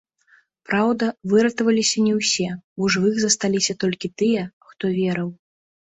Праўда, выратаваліся не ўсе, у жывых засталіся толькі тыя, хто верыў.